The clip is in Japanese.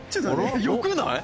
よくない！？」